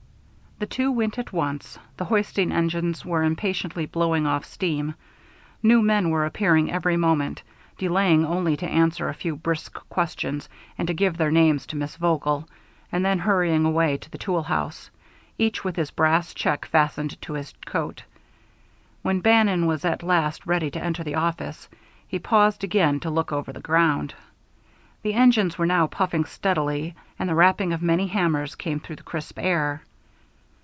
The two went at once. The hoisting engines were impatiently blowing off steam. New men were appearing every moment, delaying only to answer a few brisk questions and to give their names to Miss Vogel, and then hurrying away to the tool house, each with his brass check fastened to his coat. When Bannon was at last ready to enter the office, he paused again to look over the ground. The engines were now puffing steadily, and the rapping of many hammers came through the crisp air.